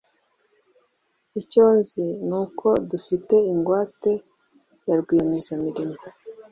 Icyo nzi ni uko dufite ingwate ya rwiyemezamirimo